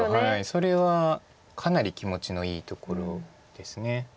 それはかなり気持ちのいいところです。